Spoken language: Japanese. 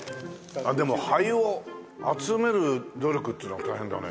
でも灰を集める努力っつうのは大変だね。